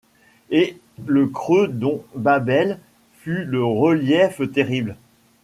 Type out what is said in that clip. Et le creux dont Babel fut le relief terrible !